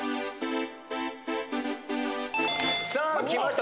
さあきました